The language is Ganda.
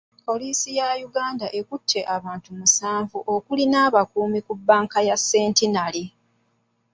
Poliisi ya Uganda ekutte abantu musanvu okuli n'abakuumi ku banka ya Centenary.